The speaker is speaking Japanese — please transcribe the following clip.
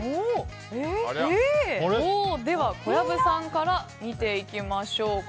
小籔さんから見ていきましょう。